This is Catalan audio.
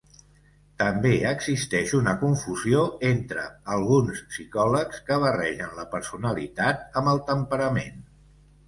També existeix una confusió entre alguns psicòlegs que barregen la personalitat amb el temperament.